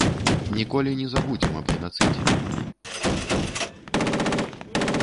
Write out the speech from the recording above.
Ніколі не забудзем аб генацыдзе.